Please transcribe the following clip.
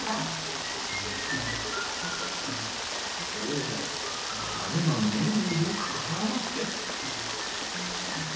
ほうタレが麺によくからまって！